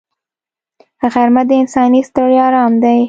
غرمه د انساني ستړیا آرام دی